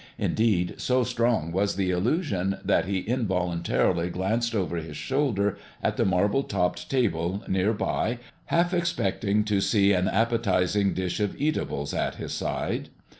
Indeed, so strong was the illusion that he involuntarily glanced over his shoulder at the marble topped table near by, half expecting to see an appetizing dish of eatables at his side.